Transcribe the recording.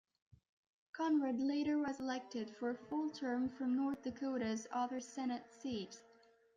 Conrad later was elected for a full term from North Dakota's other Senate seat.